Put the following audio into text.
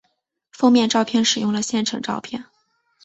封面照片使用了现成照片。